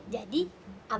jadi abadnya udah setuju